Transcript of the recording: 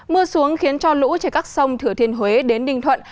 mưa xuống khiến cho lũ trên các sông thừa thiên huế đến ninh thuận